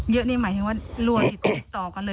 เยอะนี่หมายถึงว่ารัวติดตรงต่อกันเลย